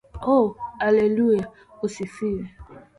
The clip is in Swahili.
Ooh hallelujah usifiwe